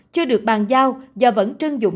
chưa được bàn giao do vẫn trưng dụng